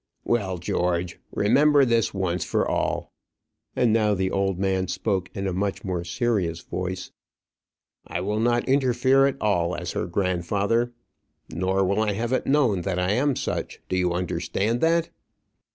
"Well, George, remember this once for all" and now the old man spoke in a much more serious voice "I will not interfere at all as her grandfather. Nor will I have it known that I am such. Do you understand that?"